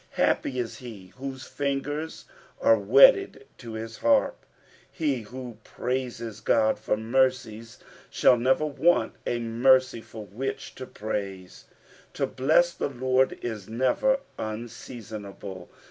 Happy is he whose fingers are wedded to hia harp. He who praises Gk>d for mercies shall never want a mercv for which to nise. To bless the Lord is never unseasonable.